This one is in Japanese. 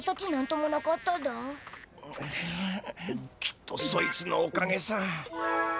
ううきっとそいつのおかげさ。